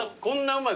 うまい。